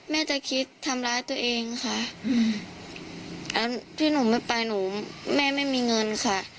แม่จะคิดทำร้ายตัวเองค่ะแล้วที่หนูไม่ไปหนูแม่ไม่มีเงินค่ะ